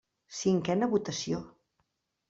Cinquena votació.